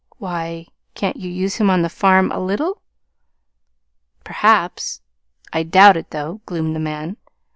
"Why, can't you use him on the farm a little?" "Perhaps. I doubt it, though," gloomed the man.